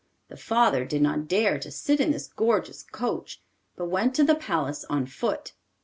The father did not dare to sit in this gorgeous coach, but went to the palace on foot.